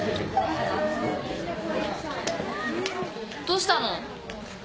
どうしたの？